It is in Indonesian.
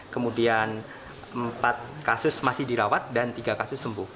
kemudian empat kasus masih dirawat dan tiga kasus sembuh